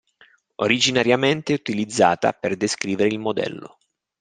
Originariamente utilizzata per descrivere il modello.